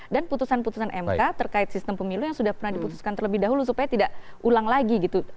dan putusan putusan mk terkait sistem pemilu yang sudah pernah diputuskan terlebih dahulu supaya tidak ulang lagi gitu